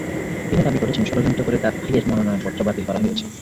তিনি দাবি করেছেন, ষড়যন্ত্র করে তাঁর ভাইয়ের মনোনয়নপত্র বাতিল করা হয়েছে।